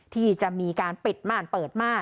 ที่จะมีการเปิดมาร